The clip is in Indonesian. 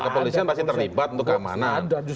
kepolisian pasti terlibat untuk keamanan